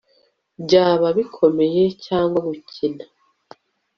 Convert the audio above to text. Byaba bikomeye cyangwa gukina